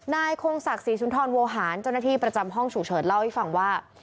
นายคงศักดิ์ศรีสุนทรโวหารเจ้าหน้าที่ประจำห้องฉุกเฉินเล่าให้ฟังว่า